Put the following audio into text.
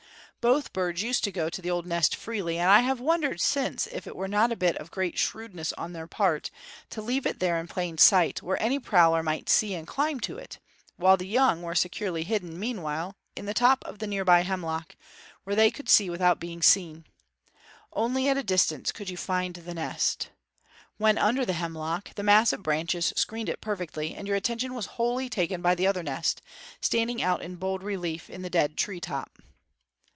Both birds used to go to the old nest freely; and I have wondered since if it were not a bit of great shrewdness on their part to leave it there in plain sight, where any prowler might see and climb to it; while the young were securely hidden, meanwhile, in the top of the near by hemlock, where they could see without being seen. Only at a distance could you find the nest. When under the hemlock, the mass of branches screened it perfectly, and your attention was wholly taken by the other nest, standing out in bold relief in the dead tree top.